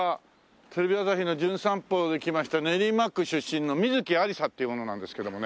テレビ朝日の『じゅん散歩』で来ました練馬区出身の観月ありさっていう者なんですけどもね。